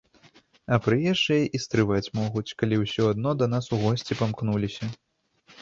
А прыезджыя і стрываць могуць, калі ўсё адно да нас у госці памкнуліся.